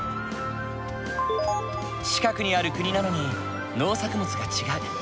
近くにある国なのに農作物が違う。